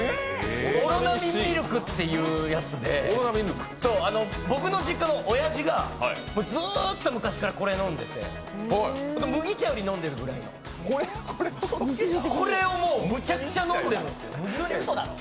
オロナミンミルクってやつで、僕の実家のおやじがずっと昔からこれ飲ん出て麦茶より飲んでるぐらい、これをむちゃくちゃ飲んでるんです。